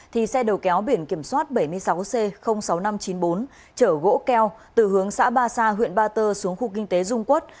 thì xe đầu kéo biển kiểm soát bảy mươi sáu c sáu nghìn năm trăm chín mươi bốn chở gỗ keo từ hướng xã ba sa huyện ba tơ xuống khu kinh tế dung quốc